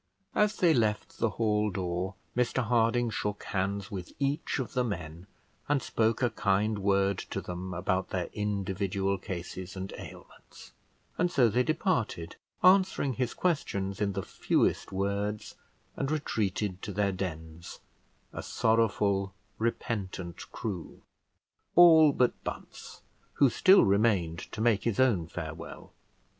As they left the hall door, Mr Harding shook hands with each of the men, and spoke a kind word to them about their individual cases and ailments; and so they departed, answering his questions in the fewest words, and retreated to their dens, a sorrowful repentant crew. All but Bunce, who still remained to make his own farewell.